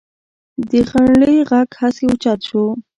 د غنړې غږ هسې اوچت شو.